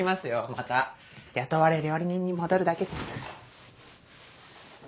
また雇われ料理人に戻るだけっす。